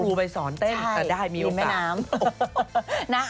เอาครูไปสอนเต้นแต่ได้มีโอกาส